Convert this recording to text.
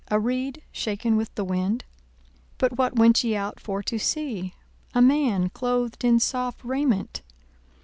A reed shaken with the wind? 42:007:025 But what went ye out for to see? A man clothed in soft raiment?